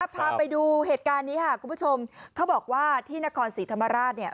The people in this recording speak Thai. พาไปดูเหตุการณ์นี้ค่ะคุณผู้ชมเขาบอกว่าที่นครศรีธรรมราชเนี่ย